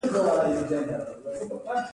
هغه د تاوده ماښام پر مهال د مینې خبرې وکړې.